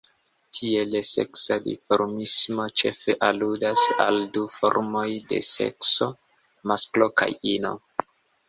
Tiele, seksa dimorfismo ĉefe aludas al du formoj de sekso, masklo kaj ino.